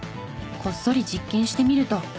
こっそり実験してみると。